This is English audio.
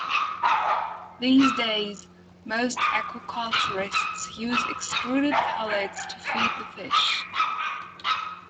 These days, most aquaculturists use extruded pellets to feed the fish.